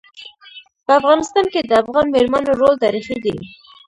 په افغانستان کي د افغان میرمنو رول تاریخي دی.